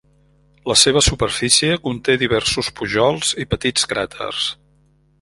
La seva superfície conté diversos pujols i petits cràters.